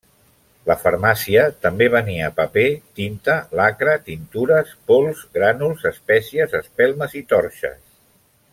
La farmàcia també venia paper, tinta, lacre, tintures, pols, grànuls, espècies, espelmes i torxes.